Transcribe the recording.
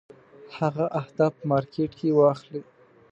هغه اهداف په مارکېټ کې واخلي.